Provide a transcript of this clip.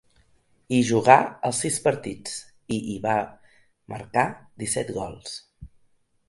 Hi jugà els sis partits, i hi va marcar disset gols.